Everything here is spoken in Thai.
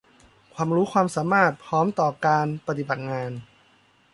ความรู้ความสามารถพร้อมต่อการปฏิบัติงาน